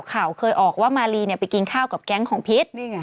ข่าวเคยออกว่ามาลีไปกินข้าวกับแก๊งของพิษ